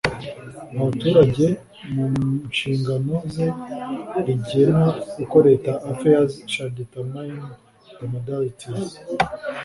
abaturage mu nshingano ze rigena uko Leta affairs shall determine the modalities